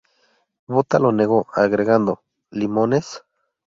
Botha lo negó, agregando "¿Limones?